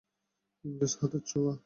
ইংরেজ হাতের ছোঁয়া!